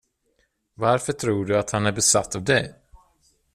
Varför tror du att han är besatt av dig?